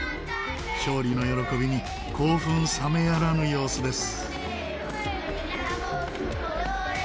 勝利の喜びに興奮冷めやらぬ様子です。